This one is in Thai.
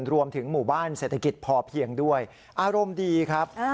รวมถึงหมู่บ้านเศรษฐกิจพอเพียงด้วยอารมณ์ดีครับ